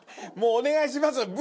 もうお願いします。